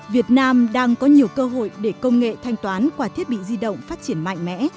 việt nam đang có nhiều cơ hội để công nghệ thanh toán qua thiết bị di động phát triển mạnh mẽ